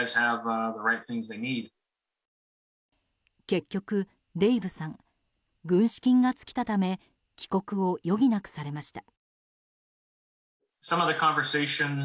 結局、デイブさん軍資金が尽きたため帰国を余儀なくされました。